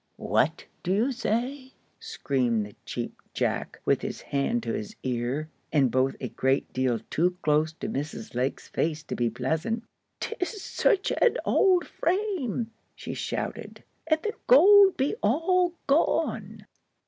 "What do you say?" screamed the Cheap Jack, with his hand to his ear, and both a great deal too close to Mrs. Lake's face to be pleasant. "'Tis such an old frame," she shouted, "and the gold be all gone."